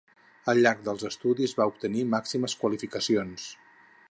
Al llarg dels estudis va obtenir màximes qualificacions.